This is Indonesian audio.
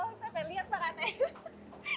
oh saya pengen lihat pak ratanya